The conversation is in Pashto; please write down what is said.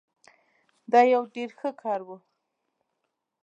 او دا يو ډير ښه کار وو